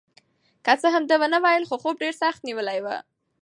که څه هم ده نه وویل خو خوب ډېر سخت نیولی و.